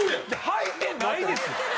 はいてないです！